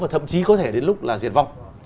và thậm chí có thể đến lúc là diệt vong